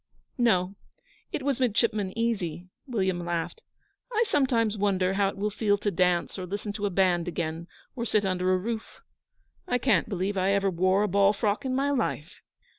'No; it was Midshipman Easy,' William laughed. 'I sometimes wonder how it will feel to dance or listen to a band again, or sit under a roof. I can't believe that I ever wore a ball frock in my life.'